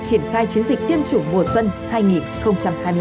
triển khai chiến dịch tiêm chủng mùa xuân